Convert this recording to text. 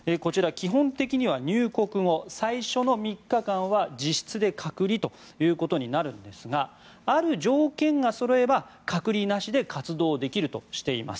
基本的には入国後最初の３日間は自室で隔離ということになるんですがある条件がそろえば隔離なしで活動できるとしています。